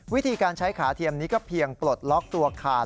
วิธีการใช้ขาเทียมนี้ก็เพียงปลดล็อกตัวคาน